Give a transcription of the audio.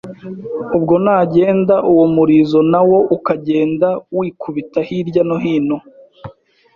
ubwo nagenda uwo murizo nawo ukagenda wikubita hirya no hino